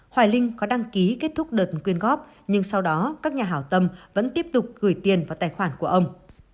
hoài linh có đăng ký kết thúc đợt quyên góp nhưng sau đó các nhà hảo tâm vẫn tiếp tục gửi tiền vào tài khoản của ông